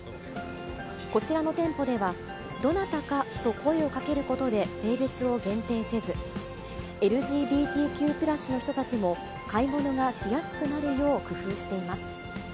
こちらの店舗では、どなたかと声をかけることで、性別を限定せず、ＬＧＢＴＱ＋の人たちも買い物がしやすくなるよう工夫しています。